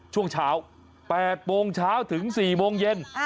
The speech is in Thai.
ช่วงเช้า๘โมงเช้าถึง๔โมงเย็น